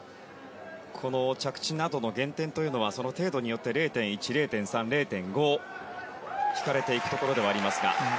着地などの減点というのはその程度によって０．１、０．３、０．５引かれていくところではありますが。